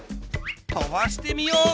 とばしてみよう！